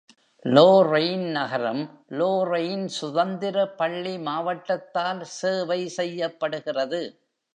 Lorraine நகரம் Lorraine சுதந்திர பள்ளி மாவட்டத்தால் சேவை செய்யப்படுகிறது.